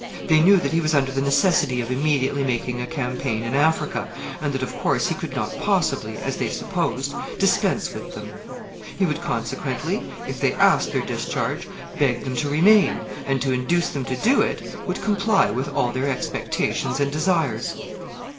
They knew that he was under the necessity of immediately making a campaign in Africa, and that, of course, he could not possibly, as they supposed, dispense with them. He would, consequently, if they asked their discharge, beg them to remain, and, to induce them to do it, would comply with all their expectations and desires.